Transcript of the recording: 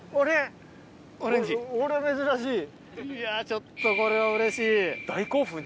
ちょっとこれはうれしい。